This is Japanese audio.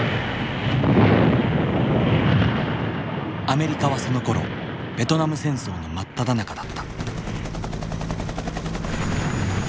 アメリカはそのころベトナム戦争の真っただ中だった。